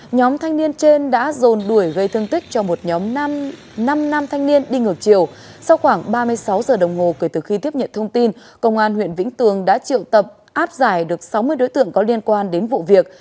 nhóm thanh niên trên đã dồn đuổi gây thương tích cho một nhóm năm nam thanh niên đi ngược chiều sau khoảng ba mươi sáu giờ đồng hồ kể từ khi tiếp nhận thông tin công an huyện vĩnh tường đã triệu tập áp giải được sáu mươi đối tượng có liên quan đến vụ việc